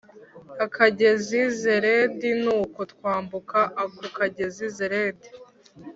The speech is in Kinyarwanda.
akagezi Zeredi Nuko twambuka ako kagezi Zeredi